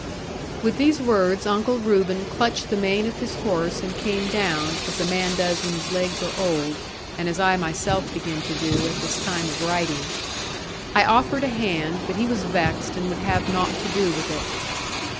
With these words, Uncle Reuben clutched the mane of his horse and came down, as a man does when his legs are old; and as I myself begin to do, at this time of writing. I offered a hand, but he was vexed, and would have nought to do with it.